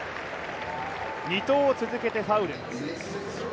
２投続けてファウル。